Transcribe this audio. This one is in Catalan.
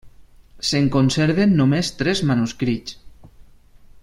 Se'n conserven només tres manuscrits.